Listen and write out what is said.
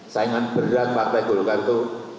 saingan berat partai golkar itu